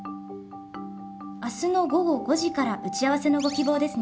明日の午後５時から打ち合わせのご希望ですね。